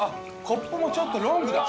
コップもちょっとロングだ。